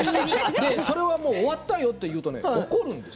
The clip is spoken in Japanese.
それは終わったよって言うと怒るんです。